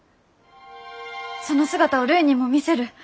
その姿をるいにも見せる。